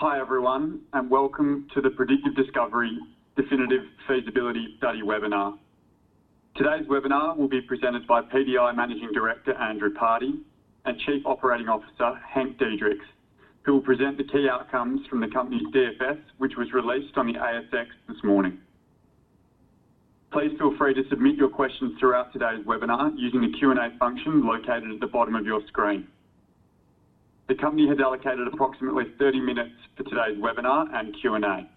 Hi everyone, and welcome to the Predictive Discovery Definitive Feasibility Study webinar. Today's webinar will be presented by PDI Managing Director Andrew Pardey and Chief Oating Officer Hank Diedrichs, who will present the key outcomes from the company's DFS, which was released on the ASX this morning. Please feel free to submit your questions throughout today's webinar using the Q&A function located at the bottom of your screen. The company has allocated approximately 30 minutes for today's webinar and Q&A.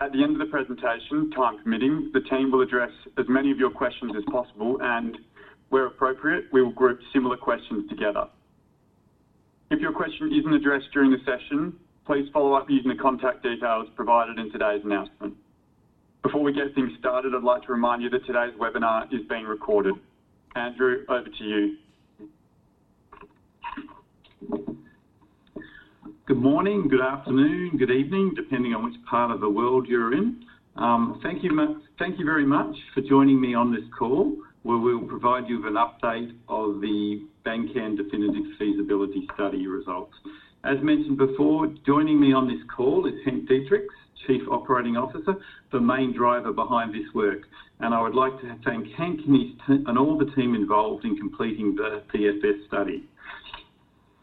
At the end of the presentation, time permitting, the team will address as many of your questions as possible, and where appropriate, we will group similar questions together. If your question isn't addressed during the session, please follow up using the contact details provided in today's announcement. Before we get things started, I'd like to remind you that today's webinar is being recorded. Andrew, over to you. Good morning, good afternoon, good evening, depending on which part of the world you're in. Thank you very much for joining me on this call, where we'll provide you with an update of the Bankan Definitive Feasibility Study results. As mentioned before, joining me on this call is Hank Diedrichs, Chief Operating Officer, the main driver behind this work, and I would like to thank Hank and all the team involved in completing the DFS study.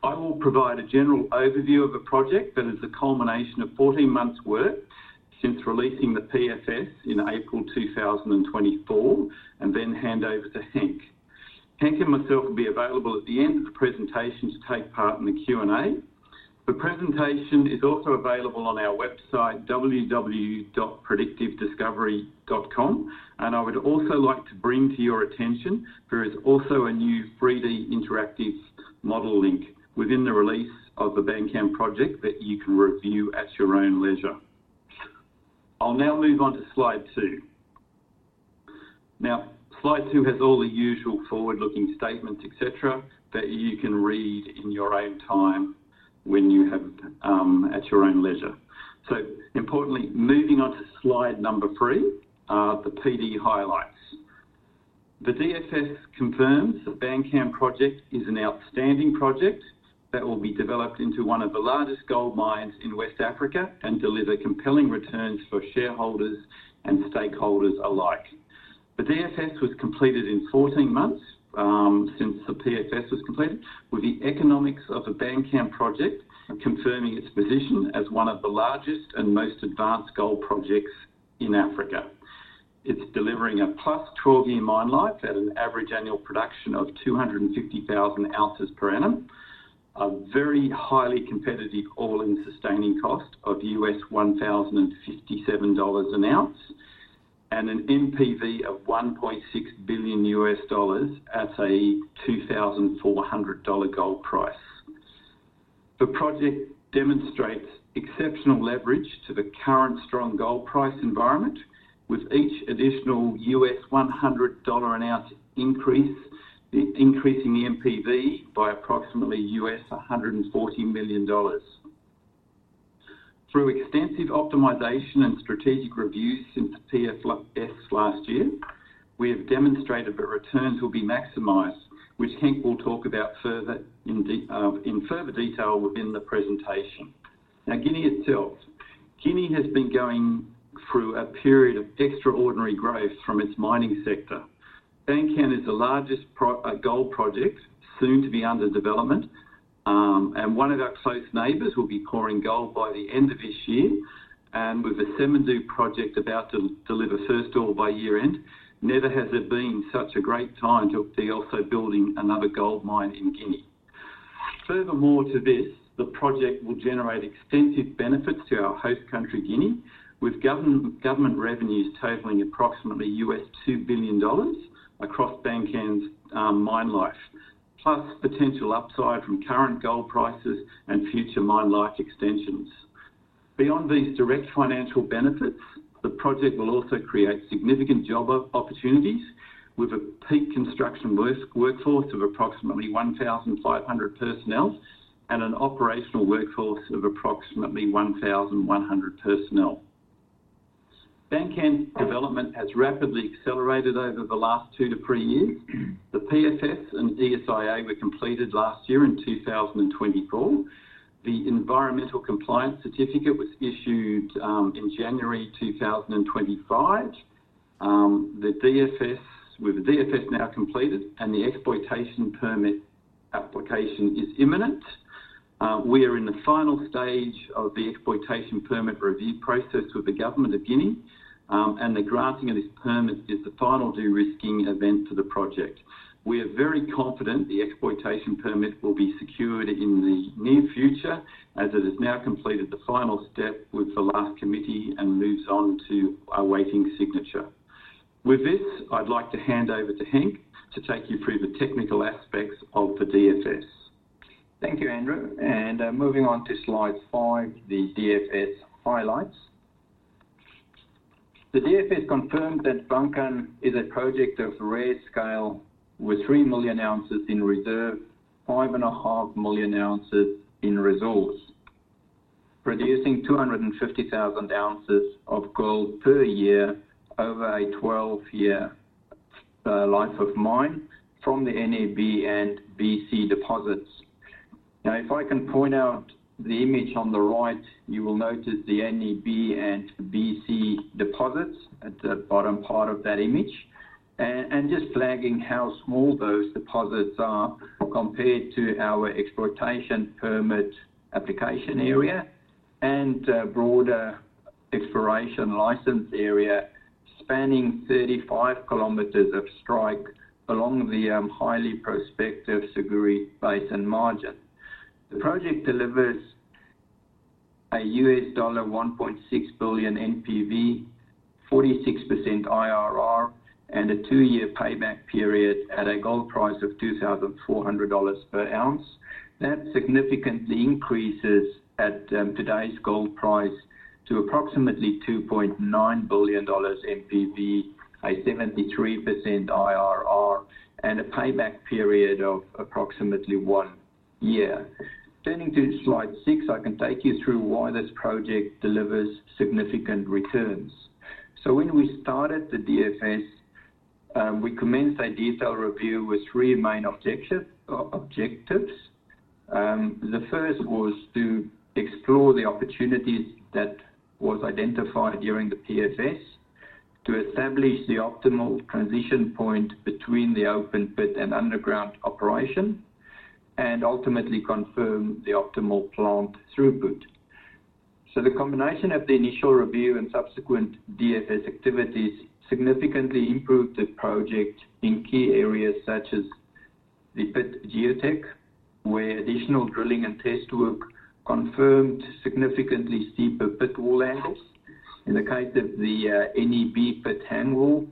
I will provide a general overview of the project that is the culmination of 14 months' work since releasing the PFS in April 2024, and then hand over to Hank. Hank and myself will be available at the end of the presentation to take part in the Q&A. The presentation is also available on our website, www.predictivediscovery.com, and I would also like to bring to your attention there is also a new 3D interactive model link within the release of the Bankan project that you can review at your own leisure. I'll now move on to slide two. Now, slide two has all the usual forward-looking statements, etc., that you can read in your own time when you have at your own leisure. Importantly, moving on to slide number three, the PD highlights. The DFS confirms the Bankan project is an outstanding project that will be developed into one of the largest gold mines in West Africa and deliver compelling returns for shareholders and stakeholders alike. The DFS was completed in 14 months since the PFS was completed, with the economics of the Bankan project confirming its position as one of the largest and most advanced gold projects in Africa. It's delivering a plus 12-year mine life at an average annual production of 250,000 ounces per annum, a very highly competitive all-in sustaining cost of $1,057 an ounce, and an NPV of $1.6 billion at a $2,400 gold price. The project demonstrates exceptional leverage to the current strong gold price environment, with each additional $100 an ounce increasing the NPV by approximately $140 million. Through extensive optimization and strategic reviews since the PFS last year, we have demonstrated that returns will be maximized, which Hank will talk about further in further detail within the presentation. Now, Guinea itself. Guinea has been going through a period of extraordinary growth from its mining sector. Bankan is the largest gold project soon to be under development, and one of our close neighbors will be pouring gold by the end of this year, and with the Semindou project about to deliver first ore by year-end, never has there been such a great time to be also building another gold mine in Guinea. Furthermore to this, the project will generate extensive benefits to our host country, Guinea, with government revenues totaling approximately $2 billion across Bankan's mine life, plus potential upside from current gold prices and future mine life extensions. Beyond these direct financial benefits, the project will also create significant job opportunities, with a peak construction workforce of approximately 1,500 personnel and an operational workforce of approximately 1,100 personnel. Bankan development has rapidly accelerated over the last two to three years. The PFS and DFS were completed last year in 2024. The Environmental Compliance Certificate was issued in January 2025. With the DFS now completed and the exploitation permit application is imminent, we are in the final stage of the exploitation permit review process with the government of Guinea, and the granting of this permit is the final de-risking event for the project. We are very confident the exploitation permit will be secured in the near future, as it has now completed the final step with the last committee and moves on to awaiting signature. With this, I'd like to hand over to Hank to take you through the technical aspects of the DFS. Thank you, Andrew. Moving on to slide five, the DFS highlights. The DFS confirmed that Bankan is a project of rare scale with 3 million ounces in reserve, 5.5 million ounces in resource, producing 250,000 ounces of gold per year over a 12-year life of mine from the NEB and BC deposits. Now, if I can point out the image on the right, you will notice the NEB and BC deposits at the bottom part of that image, and just flagging how small those deposits are compared to our exploitation permit application area and broader exploration license area spanning 35 km of strike along the highly prospective Siguiri Basin margin. The project delivers a $1.6 billion NPV, 46% IRR, and a two-year payback period at a gold price of $2,400 per ounce. That significantly increases at today's gold price to approximately $2.9 billion NPV, a 73% IRR, and a payback period of approximately one year. Turning to slide six, I can take you through why this project delivers significant returns. When we started the DFS, we commenced a detailed review with three main objectives. The first was to explore the opportunities that were identified during the PFS, to establish the optimal transition point between the open pit and underground operation, and ultimately confirm the optimal plant throughput. The combination of the initial review and subsequent DFS activities significantly improved the project in key areas such as the pit geotech, where additional drilling and test work confirmed significantly steeper pit wall angles. In the case of the NEB pit hanging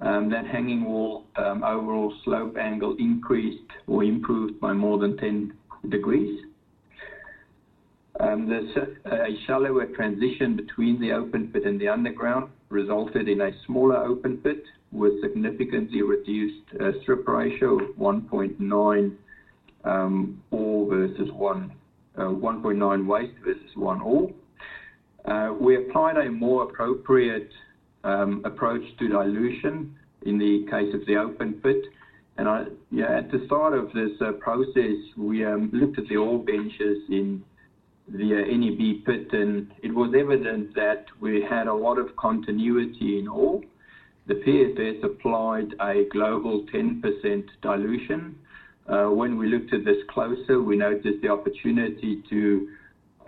wall, that hanging wall overall slope angle increased or improved by more than 10 degrees. A shallower transition between the open pit and the underground resulted in a smaller open pit with a significantly reduced strip ratio of 1.9:1, waste versus ore. We applied a more appropriate approach to dilution in the case of the open pit. At the start of this process, we looked at the ore benches in the NEB pit, and it was evident that we had a lot of continuity in ore. The PFS applied a global 10% dilution. When we looked at this closer, we noticed the opportunity to,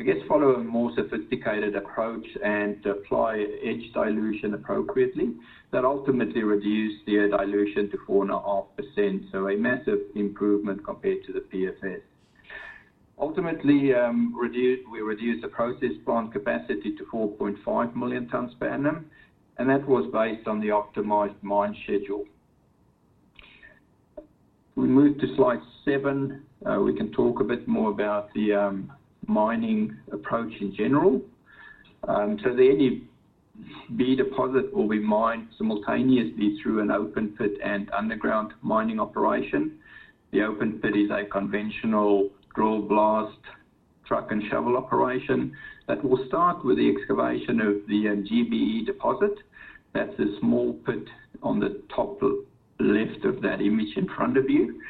I guess, follow a more sophisticated approach and apply edge dilution appropriately. That ultimately reduced the dilution to 4.5%, so a massive improvement compared to the PFS. Ultimately, we reduced the process plant capacity to 4.5 million tons per annum, and that was based on the optimized mine schedule. We moved to slide seven. We can talk a bit more about the mining approach in general. The NEB deposit will be mined simultaneously through an open pit and underground mining operation. The open pit is a conventional drill-blast truck and shovel operation that will start with the excavation of the GBE deposit. That is a small pit on the top left of that image in front of you.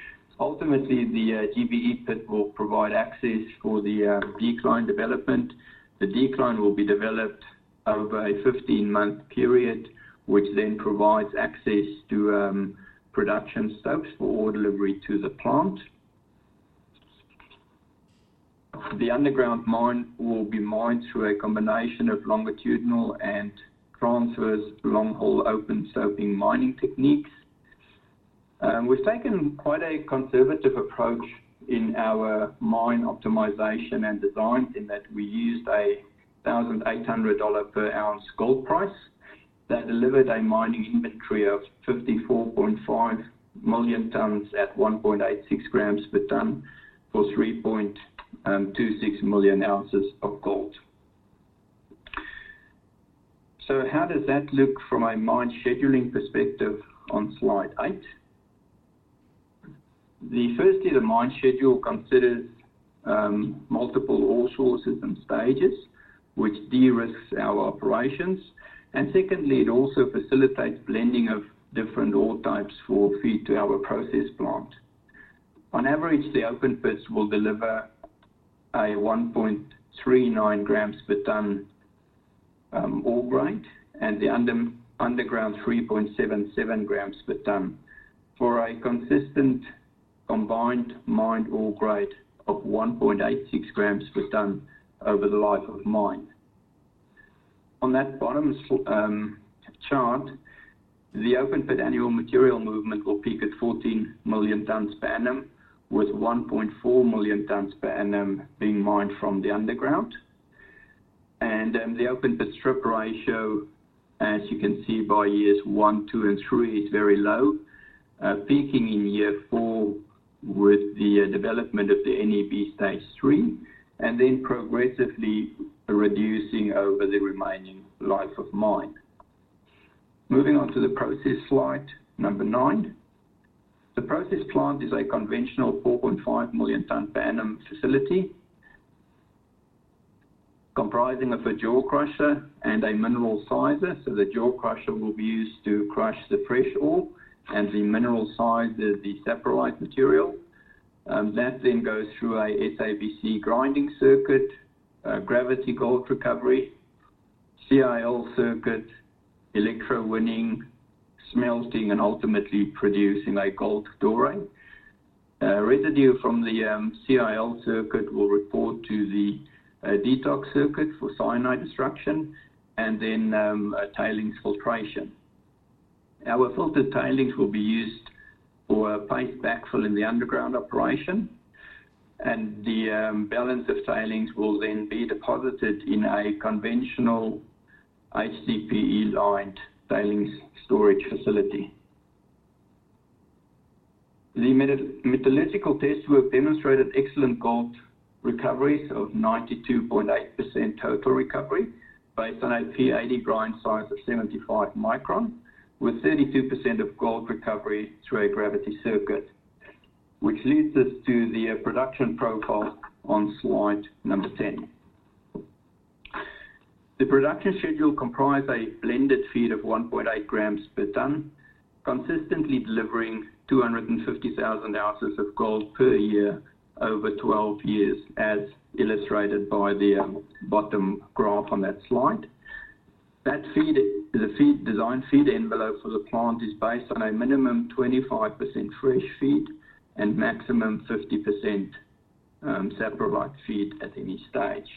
Ultimately, the GBE pit will provide access for the decline development. The decline will be developed over a 15-month period, which then provides access to production stopes for ore delivery to the plant. The underground mine will be mined through a combination of longitudinal and transverse long-hole open stoping mining techniques. We've taken quite a conservative approach in our mine optimization and design in that we used a $1,800 per ounce gold price that delivered a mining inventory of 54.5 million tons at 1.86 grams per ton for 3.26 million ounces of gold. How does that look from a mine scheduling perspective on slide eight? Firstly, the mine schedule considers multiple ore sources and stages, which de-risks our operations. Secondly, it also facilitates blending of different ore types for feed to our process plant. On average, the open pits will deliver a 1.39 grams per ton ore grade and the underground 3.77 grams per ton for a consistent combined mine ore grade of 1.86 grams per ton over the life of mine. On that bottom chart, the open pit annual material movement will peak at 14 million tons per annum, with 1.4 million tons per annum being mined from the underground. The open pit strip ratio, as you can see by years one, two, and three, is very low, peaking in year four with the development of the NEB stage three, and then progressively reducing over the remaining life of mine. Moving on to the process slide number nine. The process plant is a conventional 4.5 million ton per annum facility comprising of a jaw crusher and a mineral sizer. The jaw crusher will be used to crush the fresh ore, and the mineral sizer is the separate material. That then goes through an SABC grinding circuit, gravity gold recovery, CIL circuit, electrowinning, smelting, and ultimately producing a gold doré. Residue from the CIL circuit will report to the detox circuit for cyanide extraction and then tailings filtration. Our filtered tailings will be used for a paste backfill in the underground operation, and the balance of tailings will then be deposited in a conventional ICPE-lined tailings storage facility. The metallurgical test work demonstrated excellent gold recoveries of 92.8% total recovery based on a P80 grind size of 75 micron, with 32% of gold recovery through a gravity circuit, which leads us to the production profile on slide number 10. The production schedule comprised a blended feed of 1.8 grams per ton, consistently delivering 250,000 ounces of gold per year over 12 years, as illustrated by the bottom graph on that slide. That feed, the design feed envelope for the plant, is based on a minimum 25% fresh feed and maximum 50% separate feed at any stage.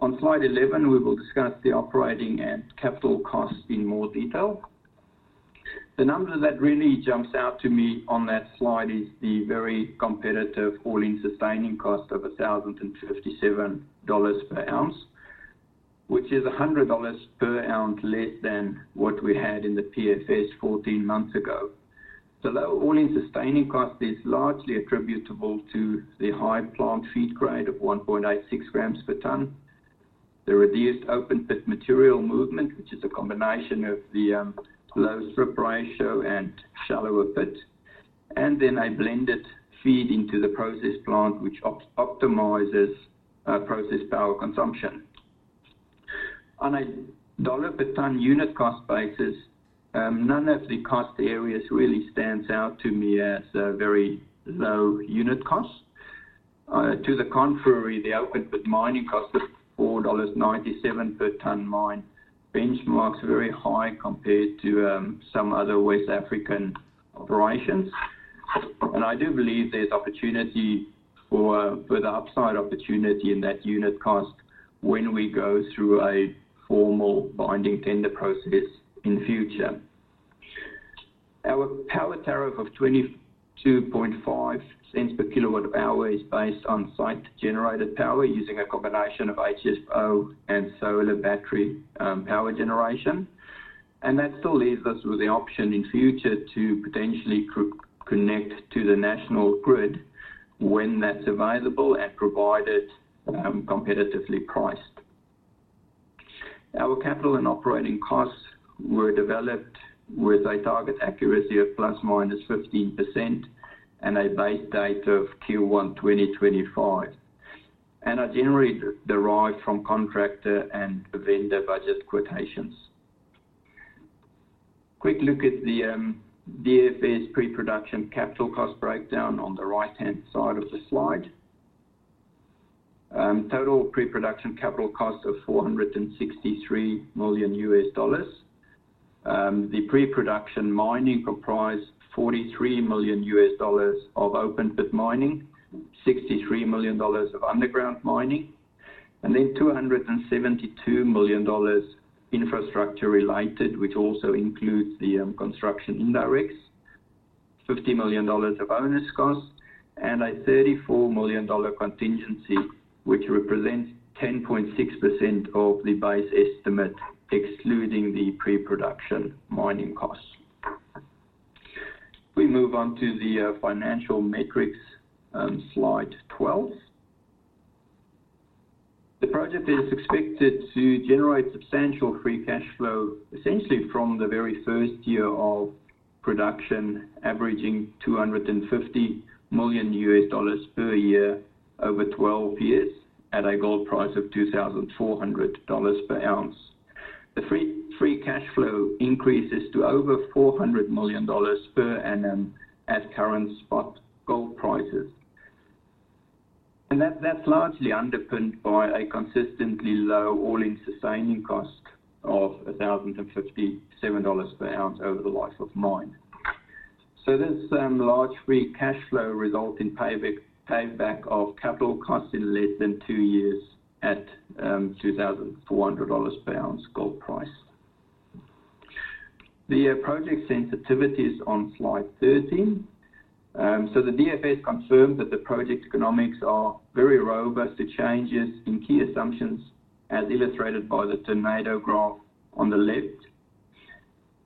On slide 11, we will discuss the operating and capital costs in more detail. The number that really jumps out to me on that slide is the very competitive all-in sustaining cost of $1,057 per ounce, which is $100 per ounce less than what we had in the PFS 14 months ago. The low all-in sustaining cost is largely attributable to the high plant feed grade of 1.86 grams per ton, the reduced open pit material movement, which is a combination of the low strip ratio and shallower pit, and then a blended feed into the process plant, which optimizes process power consumption. On a dollar per ton unit cost basis, none of the cost areas really stands out to me as very low unit costs. To the contrary, the open pit mining cost of $4.97 per ton mine benchmarks very high compared to some other West African operations. I do believe there's opportunity for further upside opportunity in that unit cost when we go through a formal binding tender process in the future. Our power tariff of $0.225 per kilowatt hour is based on site-generated power using a combination of HSO and solar battery power generation. That still leaves us with the option in the future to potentially connect to the national grid when that's available and provide it competitively priced. Our capital and operating costs were developed with a target accuracy of plus minus 15% and a base date of Q1 2025. I generally derive from contractor and vendor budget quotations. Quick look at the DFS pre-production capital cost breakdown on the right-hand side of the slide. Total pre-production capital cost of $463 million USD. The pre-production mining comprised $43 million of open pit mining, $63 million of underground mining, and then $272 million infrastructure related, which also includes the construction indirects, $50 million of onus costs, and a $34 million contingency, which represents 10.6% of the base estimate, excluding the pre-production mining costs. We move on to the financial metrics slide 12. The project is expected to generate substantial free cash flow, essentially from the very first year of production, averaging $250 million per year over 12 years at a gold price of $2,400 per ounce. The free cash flow increases to over $400 million per annum at current spot gold prices. That is largely underpinned by a consistently low all-in sustaining cost of $1,057 per ounce over the life of mine. This large free cash flow results in payback of capital costs in less than two years at $2,400 per ounce gold price. The project sensitivity is on slide 13. The DFS confirmed that the project economics are very robust to changes in key assumptions, as illustrated by the tornado graph on the left.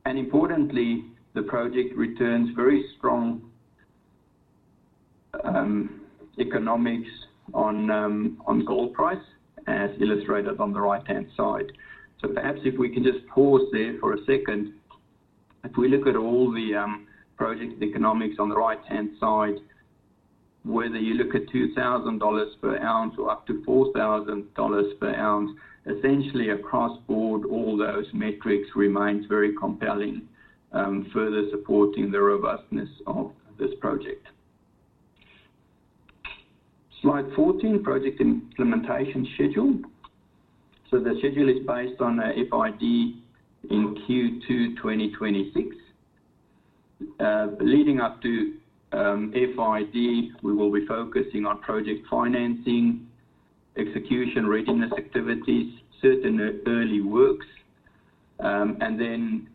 Importantly, the project returns very strong economics on gold price, as illustrated on the right-hand side. Perhaps if we can just pause there for a second, if we look at all the project economics on the right-hand side, whether you look at $2,000 per ounce or up to $4,000 per ounce, essentially across the board, all those metrics remain very compelling, further supporting the robustness of this project. Slide 14, project implementation schedule. The schedule is based on an FID in Q2 2026. Leading up to FID, we will be focusing on project financing, execution readiness activities, certain early works, and then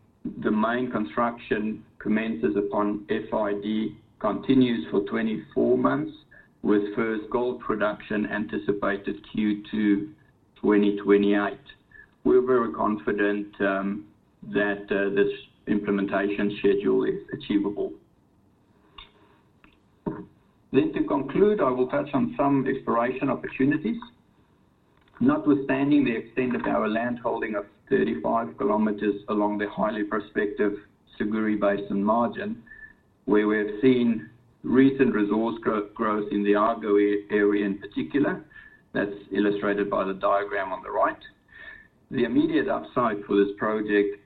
the main construction commences upon FID and continues for 24 months, with first gold production anticipated Q2 2028. We're very confident that this implementation schedule is achievable. To conclude, I will touch on some exploration opportunities. Notwithstanding the extent of our land holding of 35 kilometers along the highly prospective Siguiri Basin margin, where we have seen recent resource growth in the Argo area in particular, that's illustrated by the diagram on the right. The immediate upside for this project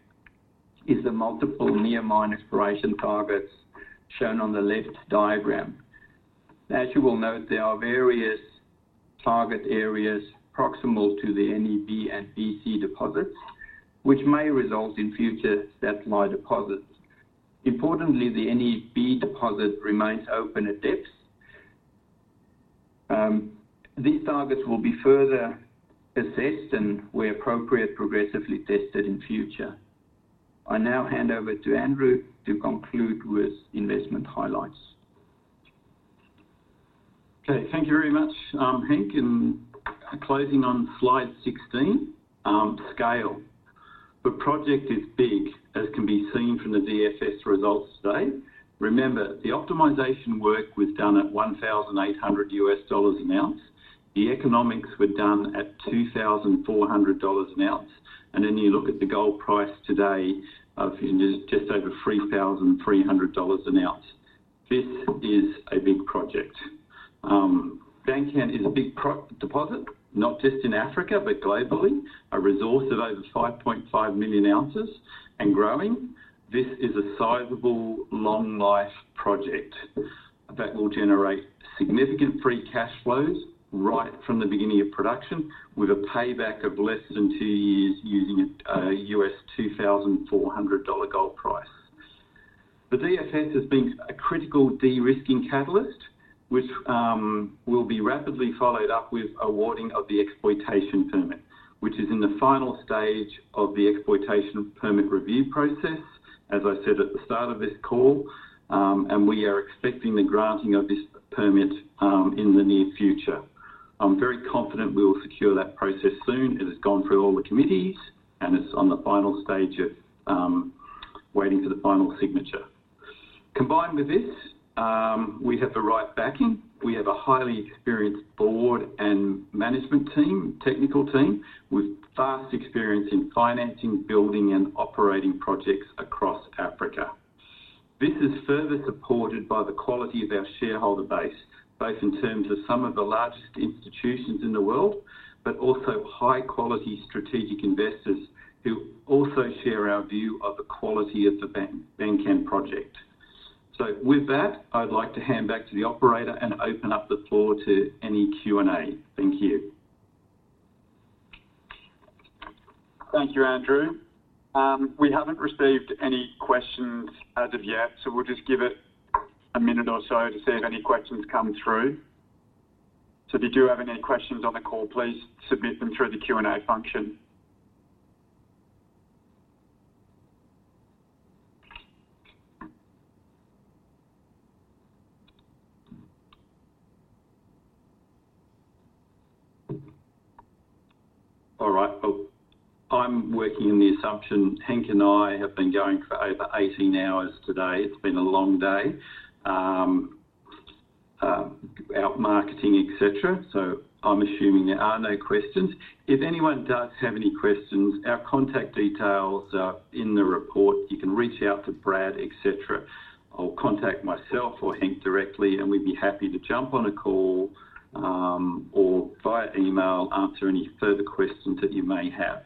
is the multiple near-mine exploration targets shown on the left diagram. As you will note, there are various target areas proximal to the NEB and BC deposits, which may result in future satellite deposits. Importantly, the NEB deposit remains open at depth. These targets will be further assessed and, where appropriate, progressively tested in future. I now hand over to Andrew to conclude with investment highlights. Okay, thank you very much,. In closing on slide 16, scale. The project is big, as can be seen from the DFS results today. Remember, the optimization work was done at $1,800 an ounce. The economics were done at $2,400 an ounce. You look at the gold price today of just over $3,300 an ounce. This is a big project. Bankan is a big deposit, not just in Africa, but globally, a resource of over 5.5 million ounces and growing. This is a sizable long-life project that will generate significant free cash flows right from the beginning of production, with a payback of less than two years using a $2,400 gold price. The DFS has been a critical de-risking catalyst, which will be rapidly followed up with awarding of the exploitation permit, which is in the final stage of the exploitation permit review process, as I said at the start of this call. We are expecting the granting of this permit in the near future. I'm very confident we will secure that process soon. It has gone through all the committees, and it's on the final stage of waiting for the final signature. Combined with this, we have the right backing. We have a highly experienced board and management team, technical team, with vast experience in financing, building, and operating projects across Africa. This is further supported by the quality of our shareholder base, both in terms of some of the largest institutions in the world, but also high-quality strategic investors who also share our view of the quality of the Bankan project. With that, I'd like to hand back to the and open up the floor to any Q&A. Thank you. Thank you, Andrew. We haven't received any questions as of yet, so we'll just give it a minute or so to see if any questions come through. If you do have any questions on the call, please submit them through the Q&A function. All right. I'm working on the assumption. Hank and I have been going for over 18 hours today. It's been a long day. Our marketing, etc. I'm assuming there are no questions. If anyone does have any questions, our contact details are in the report. You can reach out to Brad, etc. or contact myself or Hank directly, and we'd be happy to jump on a call or via email, answer any further questions that you may have.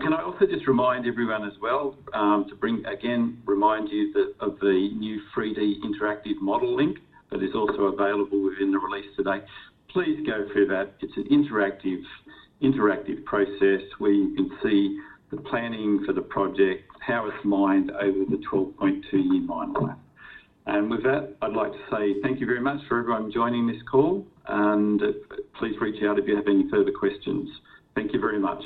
Can I also just remind everyone as well to bring, again, remind you of the new 3D interactive model link that is also available within the release today. Please go through that. It's an interactive process where you can see the planning for the project, how it's mined over the 12.2-year mine life. With that, I'd like to say thank you very much for everyone joining this call. Please reach out if you have any further questions. Thank you very much.